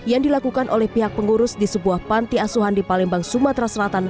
yang dilakukan oleh pihak pengurus di sebuah panti asuhan di palembang sumatera selatan